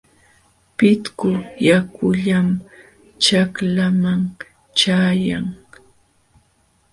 Pitku yakullam ćhaklaaman ćhayan.